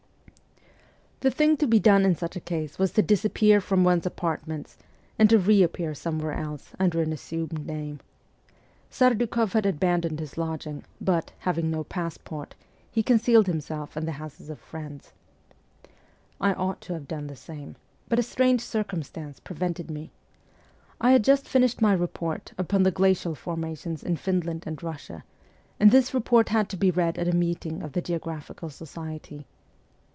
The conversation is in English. The thing to be done in such a case was to dis appear from one's apartments, and to re appear some where else under an assumed name. Serdukoff had abandoned his lodging, but, having no passport, he concealed himself in the houses of friends. I ought to have done the same, but a strange circumstance pre vented me. I had just finished my report upon the glacial formations in Finland and Russia, and this report had to be read at a meeting of the Geographical Society.